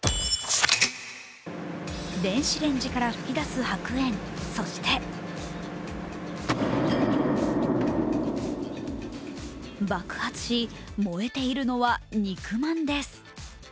電子レンジから噴き出す白煙そして爆発し、燃えているのは肉まんです。